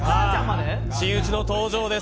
真打ちの登場です。